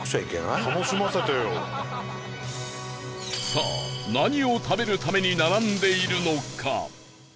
さあ何を食べるために並んでいるのか？